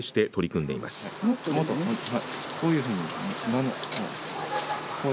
こういうふうに。